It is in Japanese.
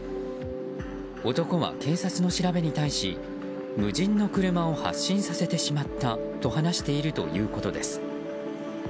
男は警察の調べに対し無人の車を発進させてしまったと話しているということです。